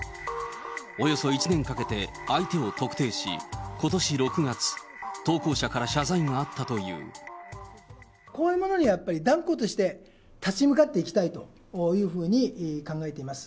およそ１年かけて相手を特定し、ことし６月、こういうものにはやっぱり、断固として立ち向かっていきたいというふうに考えています。